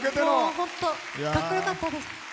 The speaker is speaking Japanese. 本当かっこよかったです。